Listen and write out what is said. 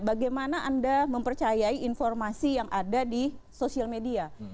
bagaimana anda mempercayai informasi yang ada di sosial media